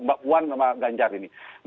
pak puan dan ganjar ini